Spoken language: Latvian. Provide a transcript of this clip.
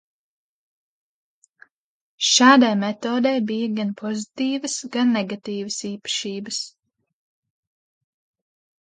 Šādai metodei bija gan pozitīvas, gan negatīvas īpašības.